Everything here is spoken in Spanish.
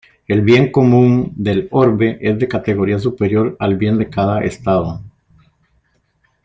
El bien común del orbe es de categoría superior al bien de cada estado.